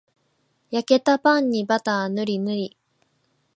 焼けたパンにバターぬりぬり